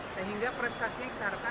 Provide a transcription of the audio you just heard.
sehingga prestasi kita harapkan